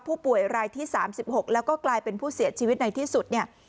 ผู้ป่วยรายที่๓๖แล้วก็กลายเป็นผู้เสียชีวิตในที่สุดเนี่ย